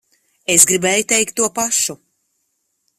Es gribēju teikt to pašu.